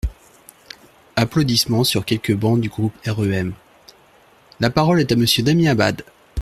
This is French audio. (Applaudissements sur quelques bancs du groupe REM.) La parole est à Monsieur Damien Abad.